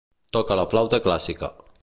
Toca la flauta clàssica.